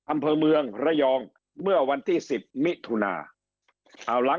อำเภอเมืองระยองเมื่อวันที่๑๐มิถุนา